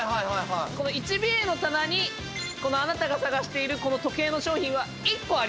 この１Ｂの棚にあなたが探しているこの時計の商品は１個ありますよっていう。